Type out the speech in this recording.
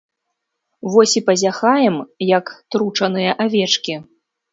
Вось і пазяхаем, як тручаныя авечкі.